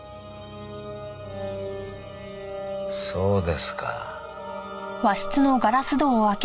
そうですか。